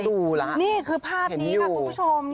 ต้องดูแล้วนี่คือภาพนี้ครับคุณผู้ชม